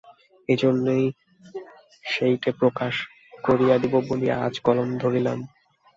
এইজন্য সেইটে প্রকাশ করিয়া দিব বলিয়াই আজ কলম ধরিলাম।